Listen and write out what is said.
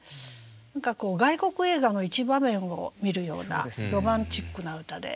何かこう外国映画の一場面を見るようなロマンチックな歌で。